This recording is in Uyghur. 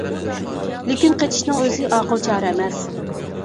لېكىن قېچىشنىڭ ئۆزى ئاقىل چارە ئەمەس.